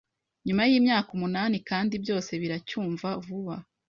Nyuma yimyaka umunani kandi byose biracyumva vuba